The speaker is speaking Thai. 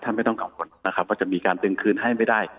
ท่านไม่ต้องกล่องกฎนะครับว่าจะมีการดึงคืนให้ไม่ได้